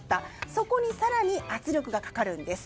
そこに更に圧力がかかるんです。